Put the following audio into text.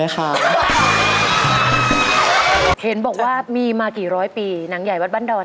เห็นบอกว่ามีมากี่ร้อยปีหนังใหญ่วัดบ้านดอน